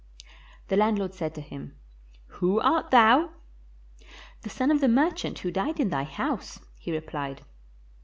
The landlord said to him, "Who art thou?" "The son of the merchant who died in thy house," he repHed.